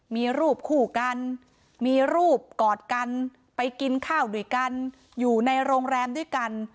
มีรูปคู่กันมีรูปกอดกันไปกินข้าวด้วยกันอยู่ในโรงแรมด้วยกัน